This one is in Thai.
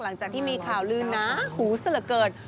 หลังจากที่มีข่าวลืนหนาหูซะละเกิน